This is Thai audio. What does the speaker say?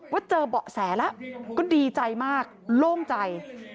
ว่าเจอเบาะแสแล้วก็ดีใจมากโล่งใจ